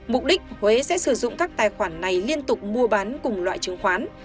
mục đích huế sẽ sử dụng các tài khoản này liên tục mua bán cùng loại chứng khoán